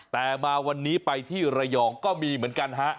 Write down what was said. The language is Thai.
แต่มาวันนี้ไปที่ระยองก็มีเหมือนกันฮะ